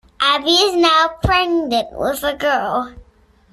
Abby is now pregnant with a girl.